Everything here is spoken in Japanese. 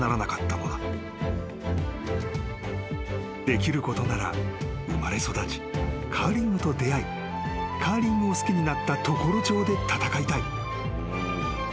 ［できることなら生まれ育ちカーリングと出合いカーリングを好きになった常呂町で戦いたい］